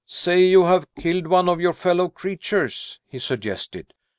"Say you have killed one of your fellow creatures," he suggested.